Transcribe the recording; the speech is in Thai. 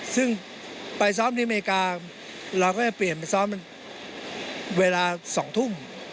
ซึ่งไปซ้อมในอเมริกาเราก็เปลี่ยนไปซ้อมเวลา๑๘น